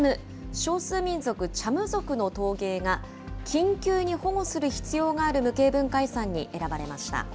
少数民族、チャム族の陶芸が、緊急に保護する必要がある無形文化遺産に選ばれました。